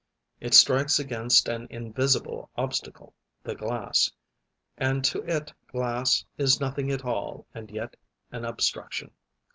It strikes against an invisible obstacle, the glass; and to it glass is nothing at all and yet an obstruction.